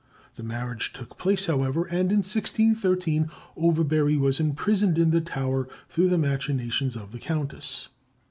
The marriage took place, however, and, in 1613, Overbury was imprisoned in the Tower, through the machinations of the countess.